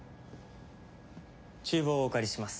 厨房をお借りします。